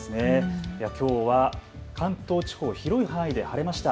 きょうは関東地方、広い範囲で晴れました。